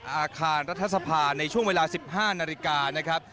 อาคารรัฐสภาในช่วงเวลา๑๕นาฬิกานะครับ